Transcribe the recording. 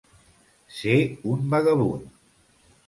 Ser un vagabund.